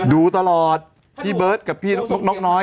ดูตลอดพี่เบิร์ตกับพี่นกน้อย